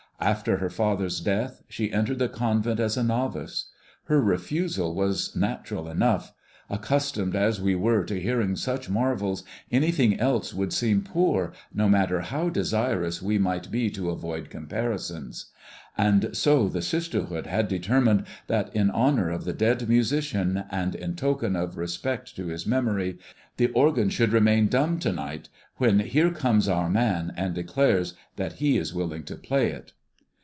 After her father's death she entered the convent as a novice. Her refusal was natural enough. Accustomed as we were to hearing such marvels, anything else would seem poor, no matter how desirous we might be to avoid comparisons; and so the sisterhood had determined that in honor of the dead musician, and in token of respect to his memory, the organ should remain dumb to night, when here comes our man, and declares that he is willing to play it.